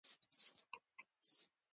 د دلیل یې نوی عصر دی.